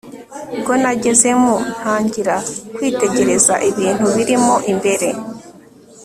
bwo nagezemo ntangira kwitegereza ibintu birimo imbere